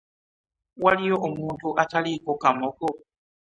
Waliyo omuntu ataliiko kamogo?